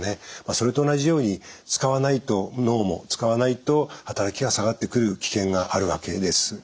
それと同じように使わないと脳も使わないと働きが下がってくる危険があるわけです。